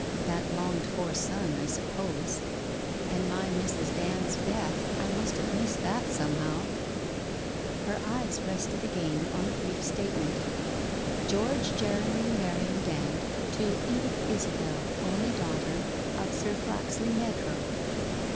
That longed for son, I suppose! And my Mrs. Band's death — I must have missed that somehow !' Her eyes rested again on the brief statement. ' George Jeremy Merion Dand to Edith Isabel, only daughter of Sir Flaxley Meadrow.'